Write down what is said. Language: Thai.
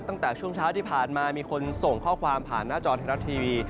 ตั้งแต่ช่วงเช้าที่ผ่านมามีคนส่งข้อความผ่านหน้าจอไทยรัฐทีวี